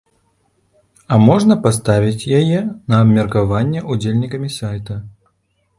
А можна паставіць яе на абмеркаванне ўдзельнікамі сайта.